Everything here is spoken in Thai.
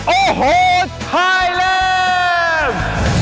โอโหไทแลม